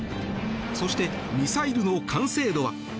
そして、ミサイルの完成度は。